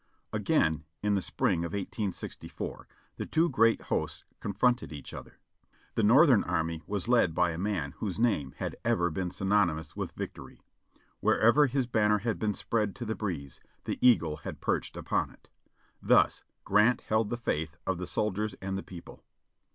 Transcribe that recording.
Again, in the spring of 1864, the two great hosts confronted each other. The Northern army was led by a man whose name had ever been synonymous with victory ; wherever his banner had been spread to the breeze, the eagle had perched upon it. Thus, Grant held the faith of the soldiers and the people.